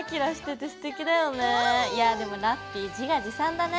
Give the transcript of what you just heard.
いやでもラッピィ自画自賛だね。